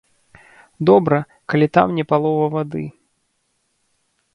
Добра, калі там не палова вады.